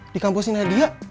di kampus nadia